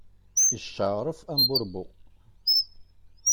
Icceɛṛef, am burebbu.